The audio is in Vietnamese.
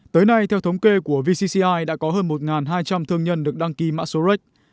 tới nay theo thống kê của vcci đã có hơn một hai trăm linh thương nhân được đăng ký mã số rex